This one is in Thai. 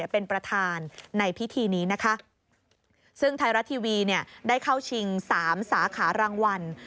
เป็นประธานในพิธีนี้นะคะซึ่งไทยรัฐทีวีเนี่ยได้เข้าชิงสามสาขารางวัล